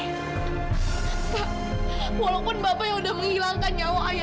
pak walaupun bapak yang udah menghilangkan nyawa ayah saya